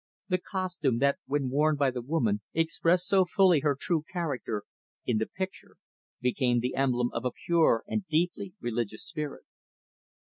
The costume that, when worn by the woman, expressed so fully her true character; in the picture, became the emblem of a pure and deeply religious spirit.